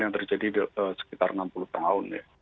yang terjadi sekitar enam puluh tahun ya